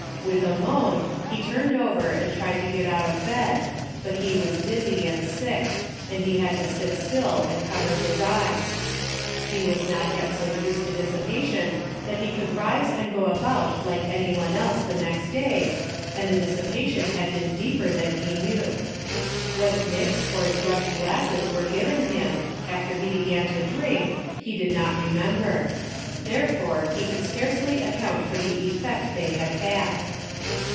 With a moan, he turned over and tried to get out of bed, but he was dizzy and sick, and he had to sit still and cover his eyes. He was not yet so used to dissipation that he could rise and go about like any one else the next day, and the dissipation had been deeper than he knew. What mixed or drugged glasses were given him, after he began to drink, he did not remember. Therefore, he could scarcely account for the effect they had had.